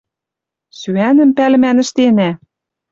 Сӱӓнӹм, пӓлӹмӓн, ӹштенӓ!..»